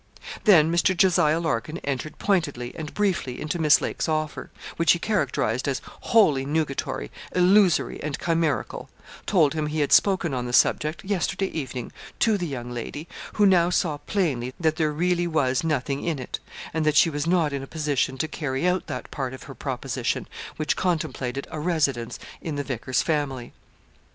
Then Mr. Jos. Larkin entered pointedly and briefly into Miss Lake's offer, which he characterised as 'wholly nugatory, illusory, and chimerical;' told him he had spoken on the subject, yesterday evening, to the young lady, who now saw plainly that there really was nothing in it, and that she was not in a position to carry out that part of her proposition, which contemplated a residence in the vicar's family.